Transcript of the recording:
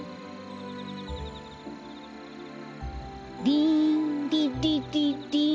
リンリリリリン。